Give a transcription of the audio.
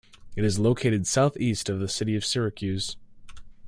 It is located southeast of the city of Syracuse.